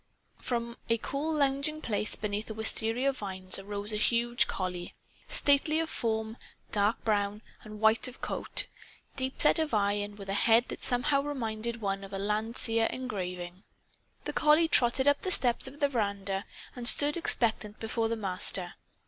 From a cool lounging place beneath the wistaria vines arose a huge collie stately of form, dark brown and white of coat, deep set of eye and with a head that somehow reminded one of a Landseer engraving. The collie trotted up the steps of the veranda and stood expectant before the Master.